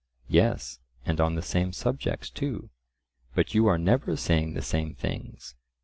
Yes, and on the same subjects too; but you are never saying the same things.